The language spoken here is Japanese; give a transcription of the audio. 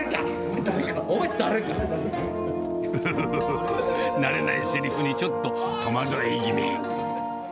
みたいな、慣れないせりふにちょっと戸惑い気味。